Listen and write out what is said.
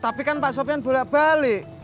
tapi kan pak sofian bolak balik